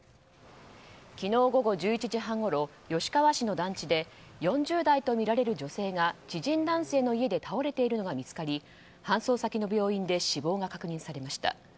昨日午後１１時半ごろ吉川市の団地で４０代とみられる女性が知人男性の家で倒れているのが見つかり搬送先の病院で死亡が確認されました。